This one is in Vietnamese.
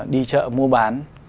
đi chợ mua bán